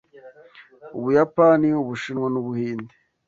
Ubuyapani, Ubushinwa n’Ubuhinde